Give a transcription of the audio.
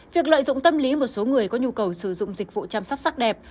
việc lợi dụng tâm lý một số người có nhu cầu sử dụng dịch vụ chăm sóc sắc đẹp